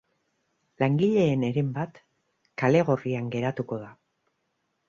Langileen heren bat kale gorrian geratuko da.